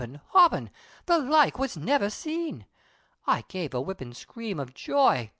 hoppin' The like was never seen! I gave a whipping screech of joy!